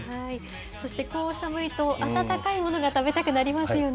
そしてこう寒いと温かいものが食べたくなりますよね。